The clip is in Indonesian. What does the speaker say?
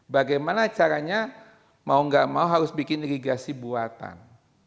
bagaimana caranya mau gak mau harus bikin irigasi buatan